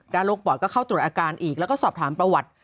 โรคปอดก็เข้าตรวจอาการอีกแล้วก็สอบถามประวัติ